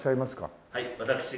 はい私が。